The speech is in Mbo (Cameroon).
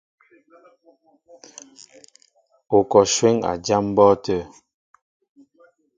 Ú kɔ shwéŋ a jám mbɔ́ɔ́tə̂.